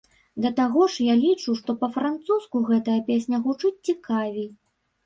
Да таго ж, я лічу, што па-французску гэтая песня гучыць цікавей.